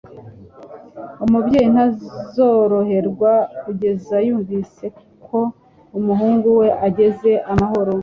Umubyeyi ntazoroherwa kugeza yumvise ko umuhungu we ageze amahoro